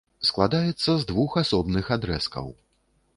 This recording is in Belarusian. Складаецца з двух асобных адрэзкаў.